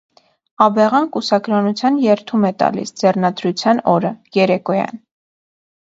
Աբեղան կուսակրոնության երդում է տալիս ձեռնադրության օրը՝ երեկոյան։